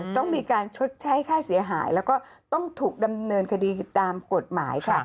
ต้องมีการชดใช้ค่าเสียหายแล้วก็ต้องถูกดำเนินคดีตามกฎหมายค่ะ